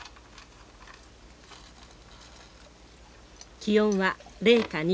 気温は零下２度。